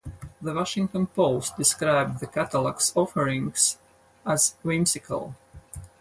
The "Washington Post" described the catalog's offerings as "whimsical".